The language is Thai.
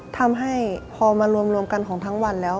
ทำให้พอมารวมกันของทั้งวันแล้ว